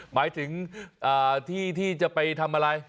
หมายถึงที่ที่จะไปทำอะไร